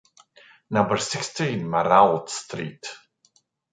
Number sixteen, Marrault street.